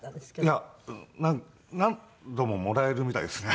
いや何度ももらえるみたいですね。